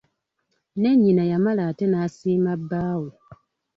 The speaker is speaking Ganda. Ne nnyina yamala ate n'asiima bbaawe.